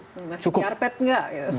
masih diarpet nggak